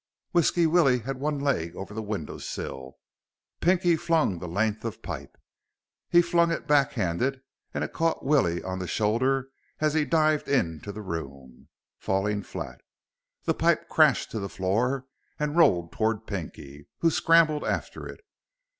Whisky Willie had one leg over the windowsill. Pinky flung the length of pipe. He flung it backhanded and it caught Willie on the shoulder as he dived into the room, falling flat. The pipe crashed to the floor and rolled toward Pinky, who scrambled after it.